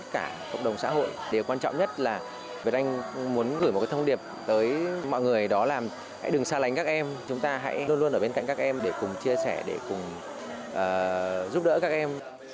tôi muốn gửi một thông điệp tới mọi người đó là hãy đừng xa lánh các em chúng ta hãy luôn luôn ở bên cạnh các em để cùng chia sẻ để cùng giúp đỡ các em